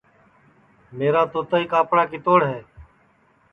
میرا توتائی کاپڑا کِتوڑ ہے